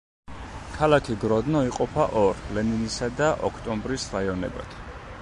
ქალაქი გროდნო იყოფა ორ, ლენინისა და ოქტომბრის რაიონებად.